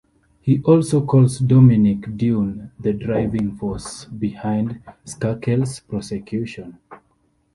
He also calls Dominick Dunne the "driving force" behind Skakel's prosecution.